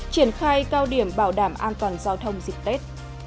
triển khai cao điểm bảo đảm an toàn giao thông dịp tết